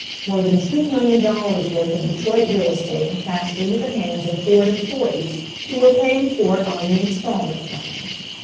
More than two million dollars' worth of Detroit real estate had passed into the hands of Ford employees, who were paying for it on the installment plan.